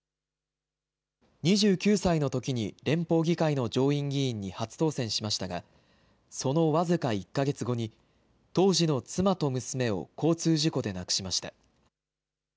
２９歳のときに連邦議会の上院議員に初当選しましたがその僅か１か月後に当時の妻と娘を交通事故で亡くしました。